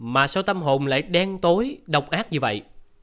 mà sâu tâm hồn lại đen tối độc ác như vậy